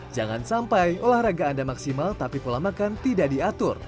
jangan sampai olahraga anda maksimal tapi pola makan tidak diatur